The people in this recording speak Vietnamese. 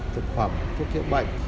thực phẩm thuốc chữa bệnh